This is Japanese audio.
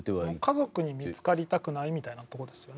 家族に見つかりたくないみたいなとこですよね。